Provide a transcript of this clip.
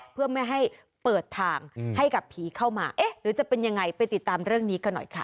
เพื่อไม่ให้เปิดทางให้กับผีเข้ามาเอ๊ะหรือจะเป็นยังไงไปติดตามเรื่องนี้กันหน่อยค่ะ